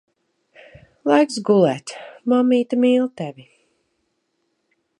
Laiks gulēt. Mammīte mīl tevi.